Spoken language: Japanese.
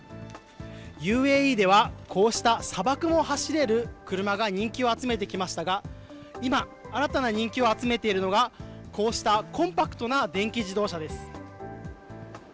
ＵＡＥでは、こうした砂漠も走れる車が人気を集めてきましたが、今、新たな人気を集めているのが、こうしたコンパクトな電気自動車です。